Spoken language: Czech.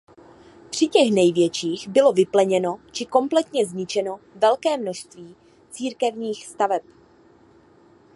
Při těch největších bylo vypleněno či kompletně zničeno velké množství církevních staveb.